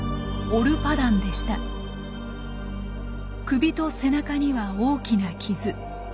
首と背中には大きな傷。